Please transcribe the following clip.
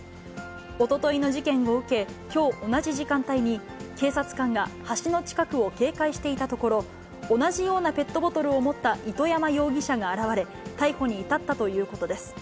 おとといの事件を受け、きょう、同じ時間帯に、警察官が橋の近くを警戒していたところ、同じようなペットボトルを持った糸山容疑者が現れ、逮捕に至ったということです。